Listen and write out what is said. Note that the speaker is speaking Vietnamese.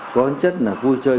có hình chất là vui chơi